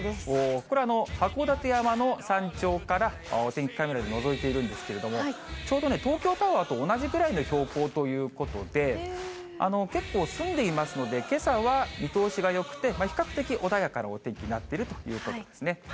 これ、函館山の山頂からお天気カメラでのぞいているんですけれども、ちょうどね、東京タワーと同じくらいの標高ということで、結構澄んでいますので、けさは見通しがよくて、比較的穏やかなお天気になっているということですね。